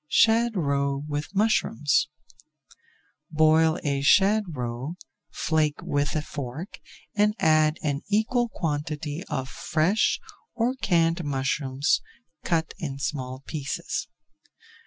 [Page 352] SHAD ROE WITH MUSHROOMS Boil a shad roe, flake with a fork, and add an equal quantity of fresh or canned mushrooms cut in small pieces.